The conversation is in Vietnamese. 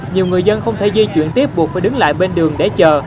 nhiều người dân không thể di chuyển tiếp buộc phải đứng lại bên đường để chờ